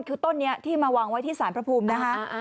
คือต้นนี้ที่มาวางไว้ที่สารพระภูมินะคะ